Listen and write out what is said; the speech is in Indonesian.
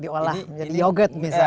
diolah menjadi yogurt misalnya